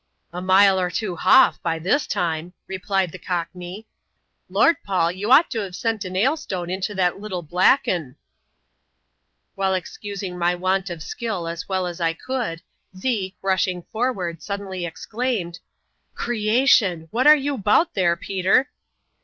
^'Amile or two h'off, by this time, replied the Codmej. " Lord, Paul I you ought toVe sent an 'ail stone into that little black 'un." While excusing my want of skill as well as I could, Zeke, rushing forward, suddenly exclaimed, "Creation I what aw you 'bout there, Peter?"